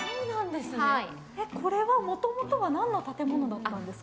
これはもともとは何の建物だったんですか。